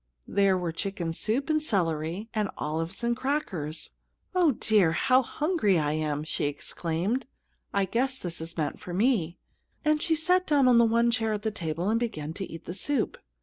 There were chicken soup, and celery, and olives, and crackers. "Oh, dear! How hungry I am!" she exclaimed. "I guess this is meant for me;" and she sat down on the one chair at the table and began to eat the soup.